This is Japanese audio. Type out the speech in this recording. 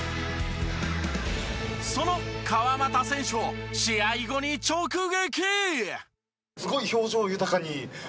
その川真田選手を試合後に直撃。